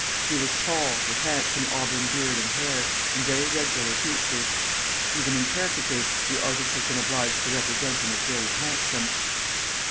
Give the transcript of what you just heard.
He was tall, with handsome auburn beard and hair, and very regular features. Even in caricatures the artist has been obliged to represent him as very handsome.